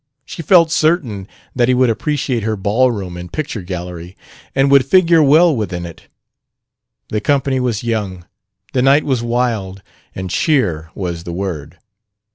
She felt certain that he would appreciate her ballroom and picture gallery, and would figure well within it. The company was young, the night was wild, and cheer was the word.